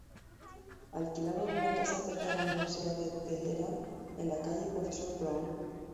Alquilaron una casa cerca de la Universidad de Teherán en la calle Profesor Brown.